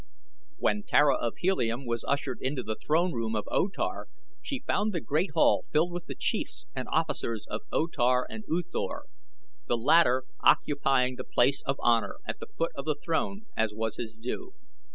When Tara of Helium was ushered into the throne room of O Tar she found the great hall filled with the chiefs and officers of O Tar and U Thor, the latter occupying the place of honor at the foot of the throne, as was his due.